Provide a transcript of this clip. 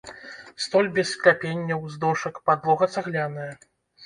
Столь без скляпенняў, з дошак, падлога цагляная.